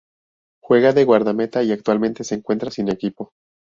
Juega de guardameta y actualmente se encuentra sin equipo.